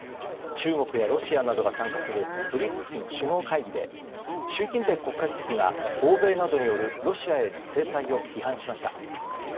中国やロシアなどが参加するＢＲＩＣＳの首脳会議で習近平国家主席が欧米などによるロシアへの制裁を批判しました。